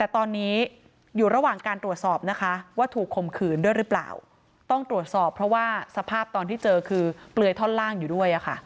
ต้องตรวจสอบเพราะว่าสภาพตอนที่เจอคือเปลือยท่อนล่างอยู่ด้วยค่ะ